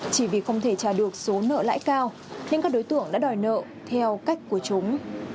chỉ vì không thể trả được số nợ lãi cao nên các đối tượng đã đòi nợ theo cách của chúng